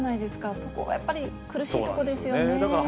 そこがやっぱり、苦しいところでそうなんですよね。